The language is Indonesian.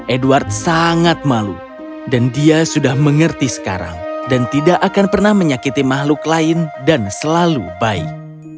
edward sangat malu dan dia sudah mengerti sekarang dan tidak akan pernah menyakiti makhluk lain dan selalu baik